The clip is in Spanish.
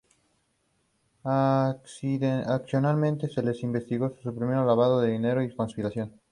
Adicionalmente, se les investigó por supuesto lavado de dinero y conspiración.